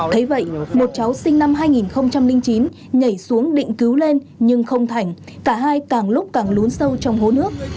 thế vậy một cháu sinh năm hai nghìn chín nhảy xuống định cứu lên nhưng không thành cả hai càng lúc càng lún sâu trong hố nước